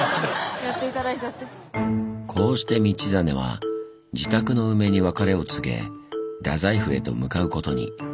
こうして道真は自宅の梅に別れを告げ大宰府へと向かうことに。